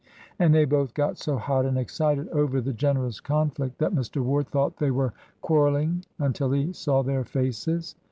And they both got so hot and excited over the generous conflict that Mr. Ward thought they were quarrelling until he saw their faces.